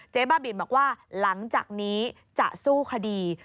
บ้าบินบอกว่าหลังจากนี้จะสู้คดี